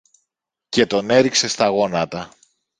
και τον έριξε στα γόνατα.